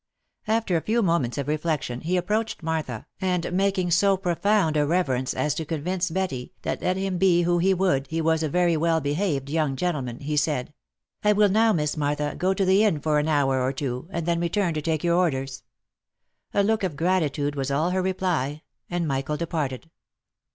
After a few moments of reflection he approached Martha, and making so profound a reverence as to convince Betty, that let him be who he would, he was a very well behaved young gentleman, he said, " I will now, Miss Martha, go to the inn for an hour or two, and then re turn to take your orders." A look of gratitude was all her reply, and Michael departed.